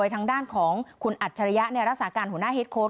ทางด้านของคุณอัจฉริยะรักษาการหัวหน้าเฮดโค้ด